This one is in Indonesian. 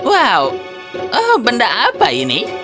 wow benda apa ini